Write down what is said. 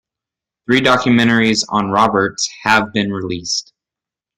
Three documentaries on Roberts have been released.